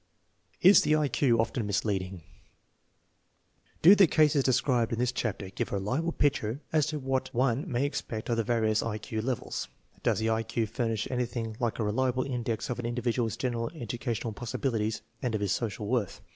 Is the I Q often misleading ? Do the cases described in this chapter give a reliable picture as to what one may expect of the various I Q levels? Does the I Q furnish any thing like a reliable index of an individual's general educa tional possibilities and of his social worth?